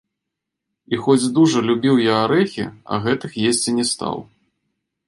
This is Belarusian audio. І хоць дужа любіў я арэхі, а гэтых есці не стаў.